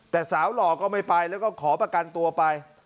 แต่สาวหล่อก็ไม่ไปแล้วก็ขอประกันตัวไป